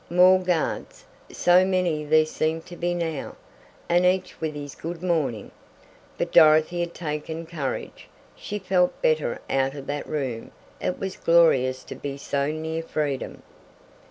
More guards so many there seemed to be now, and each with his "good morning!" But Dorothy had taken courage. She felt better out of that room; it was glorious to be so near freedom.